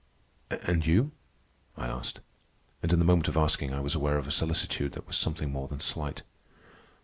"And you?" I asked; and in the moment of asking I was aware of a solicitude that was something more than slight.